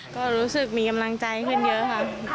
ก็รู้สึกมีกำลังใจขึ้นเยอะค่ะ